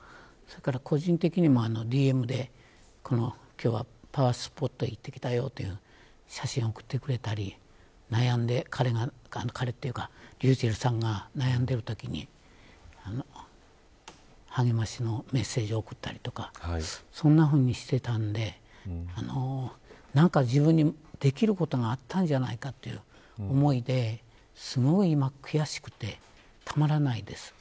個人的にも今日はパワースポット行ってきたよという写真を送ってくれたりｒｙｕｃｈｅｌｌさんが悩んでいるときに励ましのメッセージを送ったりとかそんなふうにしていたので何か自分にできることがあったんじゃないかって思いで、すごく悔しくてたまらないです。